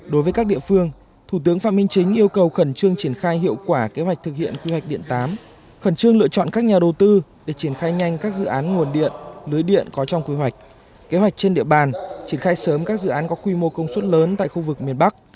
đối với các địa phương thủ tướng phạm minh chính yêu cầu khẩn trương triển khai hiệu quả kế hoạch thực hiện quy hoạch điện tám khẩn trương lựa chọn các nhà đầu tư để triển khai nhanh các dự án nguồn điện lưới điện có trong quy hoạch kế hoạch trên địa bàn triển khai sớm các dự án có quy mô công suất lớn tại khu vực miền bắc